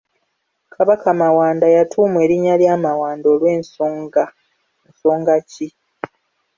Kabaka Mawanda yatuumwa erinnya lya Mawanda olw'ensonga, nsonga ki?